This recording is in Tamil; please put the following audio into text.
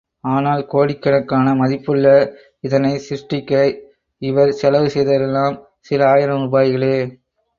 ஆனால் கோடிக்கணக்கான மதிப்புள்ள இதனைச் சிருஷ்டிக்க இவர் செலவு செய்ததெல்லாம் சில ஆயிரம் ரூபாய்களே.